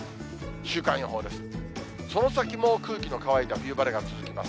週間予報です。